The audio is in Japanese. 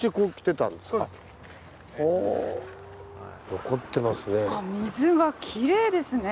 残ってますね。